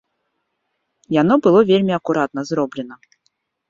Яно было вельмі акуратна зроблена.